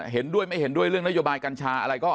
เห็นด้วยไม่เห็นด้วยเรื่องนโยบายกัญชาอะไรก็